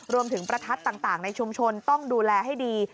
ประทัดต่างในชุมชนต้องดูแลให้ดี